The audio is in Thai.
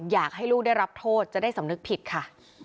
อยากให้ลูกได้รับโทษจะได้สำนึกผิดค่ะ